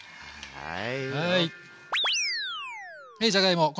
はい！